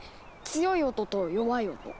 強い音と弱い音。